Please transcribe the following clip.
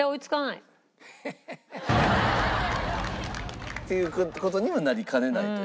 ヘヘヘヘ！っていう事にもなりかねないという。